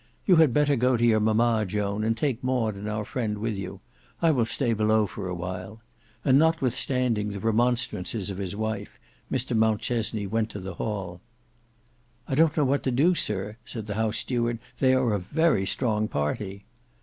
"You had better go to your mama, Joan, and take Maud and our friend with you. I will stay below for a while," and notwithstanding the remonstrances of his wife, Mr Mountchesney went to the hall. "I don't know what to do, sir," said the house steward. "They are a very strong party."